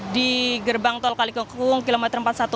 di gerbang tol kali kangkung kilometer empat ratus empat belas